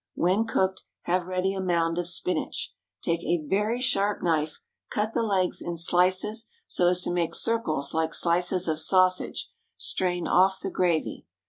When cooked, have ready a mound of spinach. Take a very sharp knife, cut the legs in slices so as to make circles like slices of sausage; strain off the gravy.